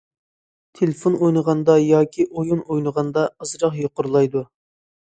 تېلېفون ئۇرغاندا ياكى ئويۇن ئوينىغاندا ئازراق يۇقىرىلايدۇ.